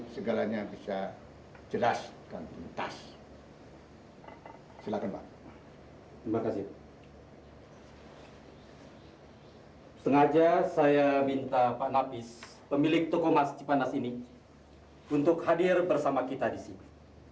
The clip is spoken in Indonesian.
sengaja saya minta pak nafis pemilik toko mas cipanas ini untuk hadir bersama kita di sini